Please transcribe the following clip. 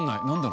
何？